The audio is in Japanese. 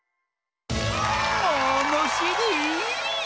ものしり！